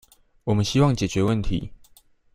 我們希望解決問題